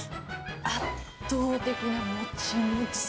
圧倒的なもちもちさ。